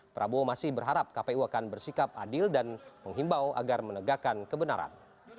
prabowo masih berharap kpu akan bersikap adil dan menghimbau agar menegakkan kebenaran